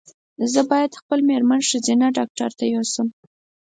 زه باید خپل مېرمن ښځېنه ډاکټري ته یو سم